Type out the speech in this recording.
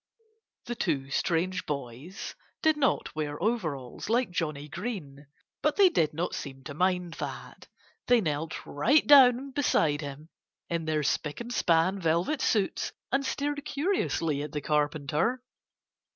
The two strange boys did not wear overalls, like Johnnie Green. But they did not seem to mind that. They knelt right down beside him in their spick and span velvet suits and stared curiously at the Carpenter.